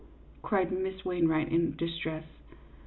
cried Miss Wainwright, in distress.